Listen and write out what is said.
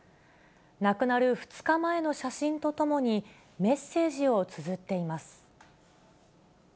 亡くなる２日前の写真とともに、メッセージをつづっています。